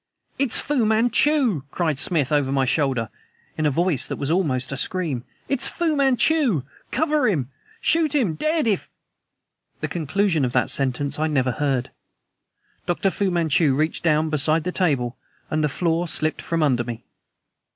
"IT'S FU MANCHU!" cried Smith over my shoulder, in a voice that was almost a scream. "IT'S FU MANCHU! Cover him! Shoot him dead if " The conclusion of that sentence I never heard. Dr. Fu Manchu reached down beside the table, and the floor slipped from under me.